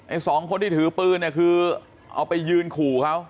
สองคนที่ถือปืนเนี่ยคือเอาไปยืนขู่เขา